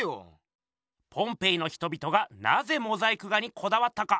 ポンペイの人々がなぜモザイク画にこだわったか？